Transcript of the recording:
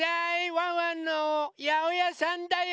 ワンワンのやおやさんだよ。